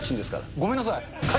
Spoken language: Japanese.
ごめんなさい。